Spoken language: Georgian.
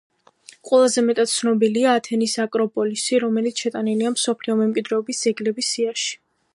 ყველაზე მეტად ცნობილია ათენის აკროპოლისი, რომელიც შეტანილია მსოფლიო მემკვიდრეობის ძეგლების სიაში.